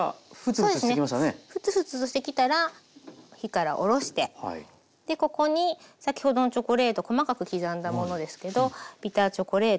フツフツとしてきたら火から下ろしてここに先ほどのチョコレート細かく刻んだものですけどビターチョコレートと。